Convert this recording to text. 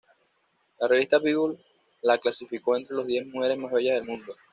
La revista "People" la clasificó entre las diez mujeres más bellas del mundo.